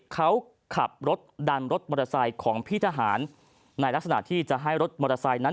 เขาขับรถดันรถมอเตอร์ไซค์ของพี่ทหารในลักษณะที่จะให้รถมอเตอร์ไซค์นั้น